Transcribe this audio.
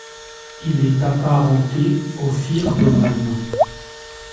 Il est apparenté aux Fir Domnann.